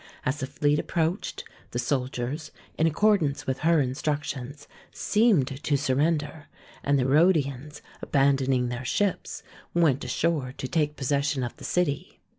As the fleet approached, the soldiers, in accordance with her instructions, seemed to surrender, and the Rhodians, abandoning their ships, went ashore to THE TOMB OF KING MALJSOLLJS 135 take possession of the city.